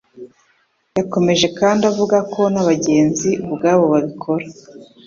Yakomeje kandi avuga ko n'abagenzi ubwabo babikora